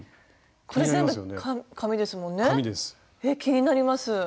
えっ気になります。